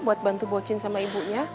buat bantu bu cin sama ibunya